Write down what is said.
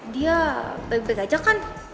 dia baik baik aja kan